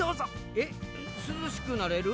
えっすずしくなれる？